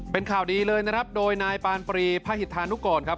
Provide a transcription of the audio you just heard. เป็นข่าวดีเลยนะครับโดยนายปานปรีพระหิตธานุกรครับ